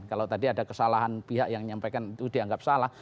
kalau tadi ada kesalahan pihak yang menyampaikan itu dianggap salah